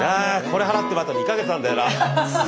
これ払ってもあと２か月あるんだよな。